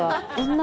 女